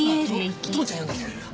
朋ちゃん呼んできてくれるか？